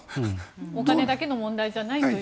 お金だけの問題じゃないと。